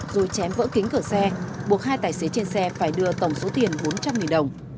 rồi chém vỡ kính cửa xe buộc hai tài xế trên xe phải đưa tổng số tiền bốn trăm linh đồng